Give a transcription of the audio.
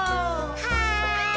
はい！